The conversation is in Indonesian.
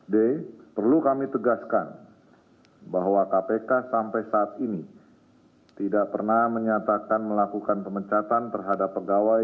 d perlu kami tegaskan bahwa kpk sampai saat ini tidak pernah menyatakan melakukan pemecatan terhadap pegawai